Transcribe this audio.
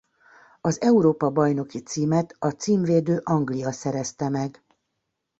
Az Európa-bajnoki címet a címvédő Anglia szerezte meg.